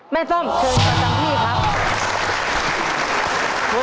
แม่ส้มเชิญกับทั้งที่ครับ